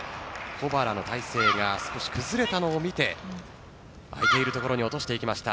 保原の体勢が少し崩れたのを見て空いているところに落としていきました。